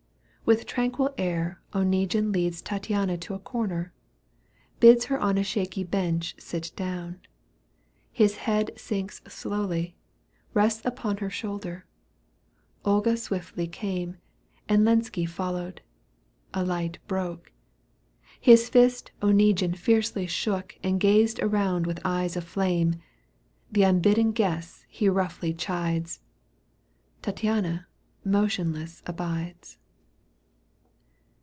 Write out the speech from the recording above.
EUGENE ONIEGUINE 13^ With tranquil air Oneguine leads Tattiana to a comer, bids Her on a shaky bench sit down ; His head sinks slowly, rests upon Her shoulder — Olga swiftly came — And Lenski followed — a light broke — His fist Oneguine fiercely shook And gazed around with eyes of flame ; The unbidden guests he roughly chides — Tattiana motionless abides.